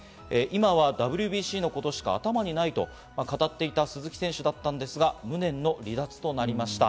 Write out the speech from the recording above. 今はＷＢＣのことしか頭にないと語っていた鈴木選手だったんですが、無念の離脱となりました。